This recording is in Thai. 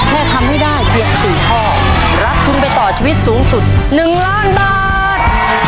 แค่ทำให้ได้เพียง๔ข้อรับทุนไปต่อชีวิตสูงสุด๑ล้านบาท